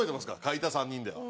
描いた３人では。